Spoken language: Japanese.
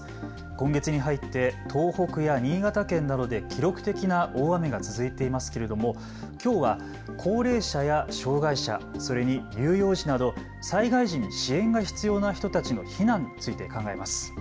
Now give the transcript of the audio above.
今月に入って東北や新潟県などで記録的な大雨が続いていますけれどもきょうは高齢者や障害者、それに乳幼児など災害時に支援が必要な人たちの避難について考えます。